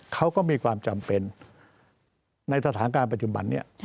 เขาก็มีความจำเป็นในสถานการณ์ปัจจุบันนี้